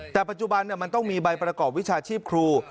แต่ปัจจุบันมันต้องมีใบประกอบวิชาชีพครู